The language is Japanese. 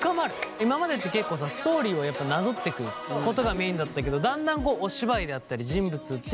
今までって結構さストーリーをやっぱなぞってくことがメインだったけどだんだんお芝居であったり人物っていうのが濃くなった。